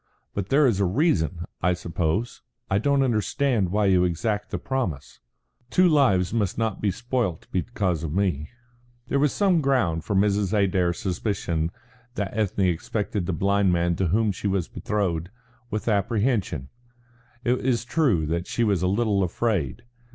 "But there is a reason, I suppose. I don't understand why you exact the promise." "Two lives must not be spoilt because of me." There was some ground for Mrs. Adair's suspicion that Ethne expected the blind man to whom she was betrothed, with apprehension. It is true that she was a little afraid.